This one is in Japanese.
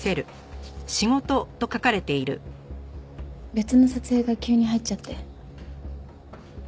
別の撮影が急に入っちゃって。